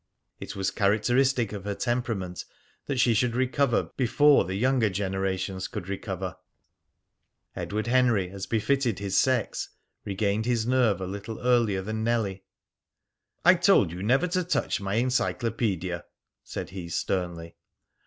It was characteristic of her temperament that she should recover before the younger generations could recover. Edward Henry, as befitted his sex, regained his nerve a little earlier than Nellie. "I told you never to touch my encyclopedia," said he sternly.